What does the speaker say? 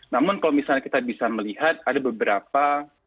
namun kalau misalnya kita bisa melihat ada beberapa